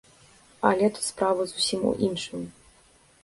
Але тут справа зусім у іншым.